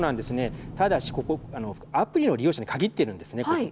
ただしアプリの利用者に限っているんです。